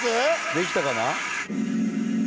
「できたかな？」